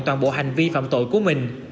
toàn bộ hành vi phạm tội của mình